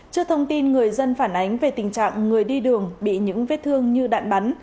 trước thông tin người dân phản ánh về tình trạng người đi đường bị những vết thương như đạn bắn